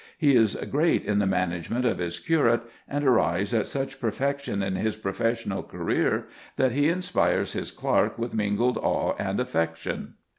He is great in the management of his curate, and arrives at such perfection in his professional career that he inspires his clerk with mingled awe and affection.